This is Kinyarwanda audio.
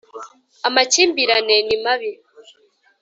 Amakimbirane nimabi.